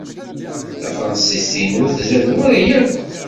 Tafṛensist-inu ur tzad wara akk.